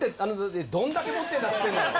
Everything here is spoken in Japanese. どんだけ持ってんだっつってんだよ！